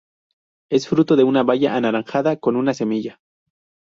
Es fruto es una baya anaranjada, con una semilla.